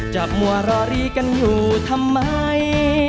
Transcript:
จับมัวรอรีกันอยู่ทำไม